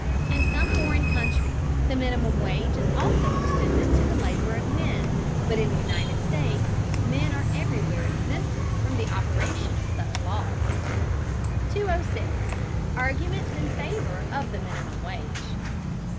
In some foreign countries the minimum wage is also extended to the labor of men, but in the United States men are everywhere exempted from the operation of such laws. 206. ARGUMENTS IN FAVOR OF THE MINIMUM WAGE.